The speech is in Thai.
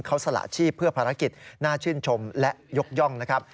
เขาสละชีพเพื่อภารกิจน่าชื่นชมและยกย่องนะครับ